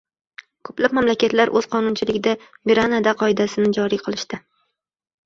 ko‘plab mamlakatlar o‘z qonunchiliklarida Miranda qoidasini joriy qilishdi.